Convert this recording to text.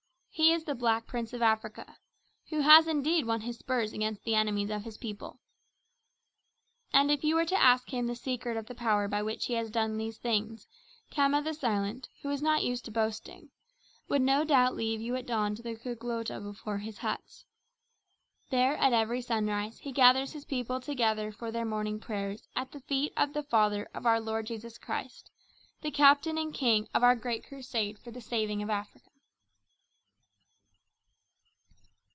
He is the Black Prince of Africa who has indeed won his spurs against the enemies of his people. And if you were to ask him the secret of the power by which he has done these things, Khama the silent, who is not used to boasting, would no doubt lead you at dawn to the Kgotla before his huts. There at every sunrise he gathers his people together for their morning prayers at the feet of the Father of our Lord Jesus Christ, the Captain and King of our Great Crusade for the saving of Africa.